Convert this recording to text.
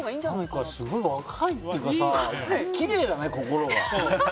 すごい若いっていうかきれいだね、心が。